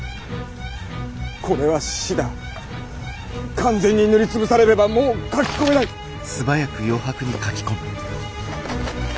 完全に塗り潰されればもう書き込めないッ！